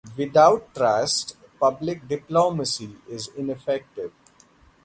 Without trust, public diplomacy is ineffective.